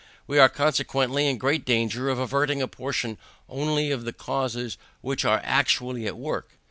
We are consequently in great danger of adverting to a portion only of the causes which are actually at work.